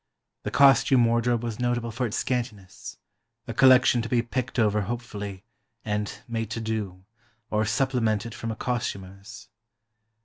The costume wardrobe was notable for its scantiness—a collection to be picked over hopefully, and "made to do," or supplemented from a costumer's.